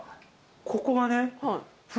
ここがね。